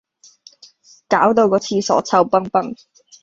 攪到個廁所臭崩崩